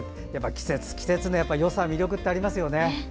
季節、季節で魅力ってありますね。